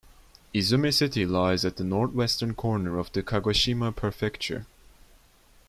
Izumi City lies at the northwestern corner of Kagoshima Prefecture.